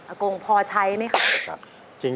อากงพอใช้ไหมครับ